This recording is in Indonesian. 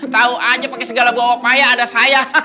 tahu aja pake segala bawa bawa payah ada saya